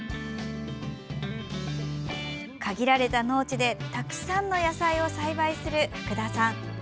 限られた農地でたくさんの野菜を栽培する福田さん。